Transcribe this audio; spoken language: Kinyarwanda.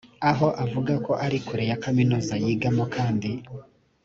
aho avuga ko ari kure ya kaminuza yigamo kandi